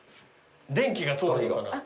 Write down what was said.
電気が通るのかな？